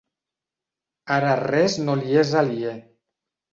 Ara res no li és aliè.